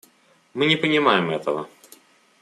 Мы не понимаем этого.